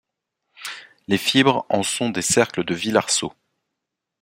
Les fibres en sont des cercles de Villarceau.